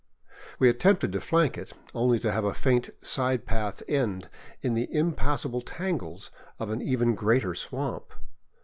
We attempted to flank it, only to have a faint side path end in the impassable tangles of an even greater swamp.